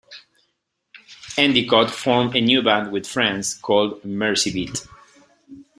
Endicott formed a new band with friends called Mercy Beat.